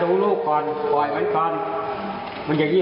เหมือนตกนังเตรียมแล้วพ่อกว้าดหัวพี่